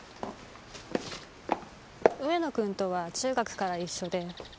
上野君とは中学から一緒で。